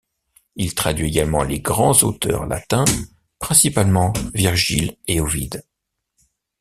Il traduit également les grands auteurs latins, principalement Virgile et Ovide.